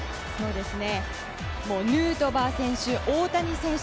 ヌートバー選手、大谷選手